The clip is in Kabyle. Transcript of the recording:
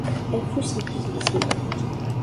Afus n tgelzimt.